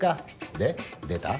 で出た？